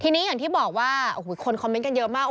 ทีนี้อย่างที่บอกว่าโอ้โหคนคอมเมนต์กันเยอะมาก